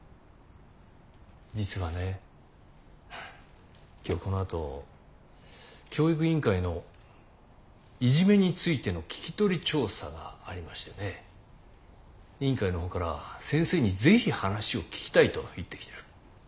実はね今日このあと教育委員会のいじめについての聞き取り調査がありましてね委員会の方から先生に是非話を聞きたいと言ってきてる。